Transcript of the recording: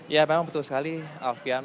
ya memang betul sekali alfian